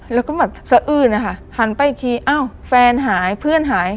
แล้วก็แบบสะอื้นนะคะหันไปอีกทีอ้าวแฟนหายเพื่อนหาย